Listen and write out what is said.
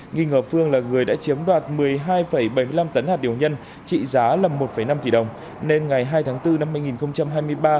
nghi ngờ phương là người đã chiếm đoạt một mươi hai bảy mươi năm tấn hạt điều nhân trị giá là một năm tỷ đồng nên ngày hai tháng bốn năm hai nghìn hai mươi ba